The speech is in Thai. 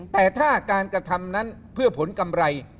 แต่ถ้าการกระทำนั้นเพื่อผลกำไร